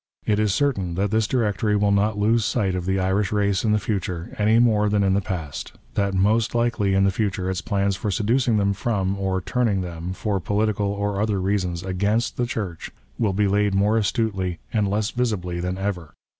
It is certain that this directory will not lose sight of the Irish race in the future, any more than in the past ; that most likely in the future its plans for seducing them from, or turning them, for political or other reasons, against the Church, will be laid more astutely and less visibly than ever.